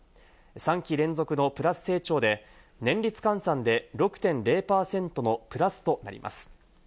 ３期連続のプラス成長で、年率換算で６．０％のプラスとなります。